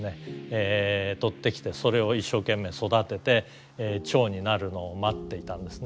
とってきてそれを一生懸命育ててチョウになるのを待っていたんですね。